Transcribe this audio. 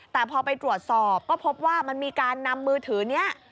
แต่พอไปตรวจสอบก็พบว่ามันมีการนำมือถือนี้